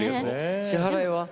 支払いは？